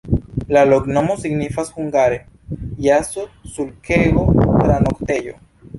La loknomo signifas hungare jaso-sulkego-tranoktejo.